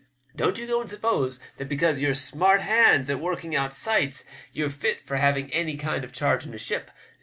Don't you go and suppose that because you're smart hands at working out sights, you're fit for having any kind of charge in a ship.